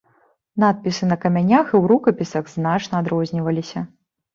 Надпісы на камянях і ў рукапісах значна адрозніваліся.